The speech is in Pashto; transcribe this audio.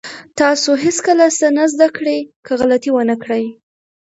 تاسو هېڅکله څه زده نه کړئ که غلطي ونه کړئ.